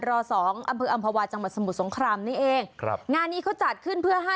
ร๒อำเภออำภาวะจังหมาศสมุทรสงครามนี้เองงานนี้เขาจัดขึ้นเพื่อให้